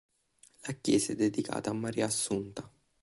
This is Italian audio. La chiesa è dedicata a Maria Assunta.